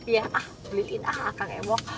ya ah beliin ah akang ewok